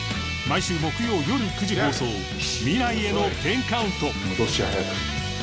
毎週木曜よる９時放送『未来への１０カウント』戻しは速く。